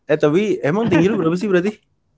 eh tapi emang tinggi lo berapa sih berarti